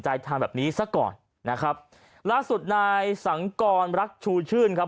ทำแบบนี้ซะก่อนนะครับล่าสุดนายสังกรรักชูชื่นครับ